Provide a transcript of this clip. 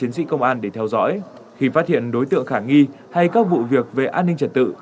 tổ an ninh tự quản của công an để theo dõi khi phát hiện đối tượng khả nghi hay các vụ việc về an ninh trật tự